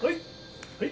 はい！